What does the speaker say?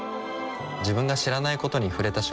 自分が知らないことに触れた瞬間